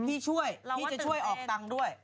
พี่ช่วยพี่จะช่วยออกตังค์ด้วย